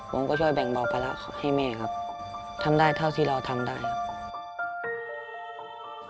ผมก็ช่วยแบ่งเบาภาระให้แม่ครับทำได้เท่าที่เราทำได้ครับ